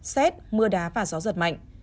xét mưa đá và gió giật mạnh